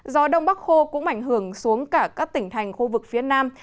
gió đông bắc khô cũng ảnh hưởng xuống cả các tỉnh thành khu vực phía nam